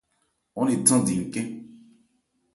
Ɔ́n ne thandi ncɛ́n.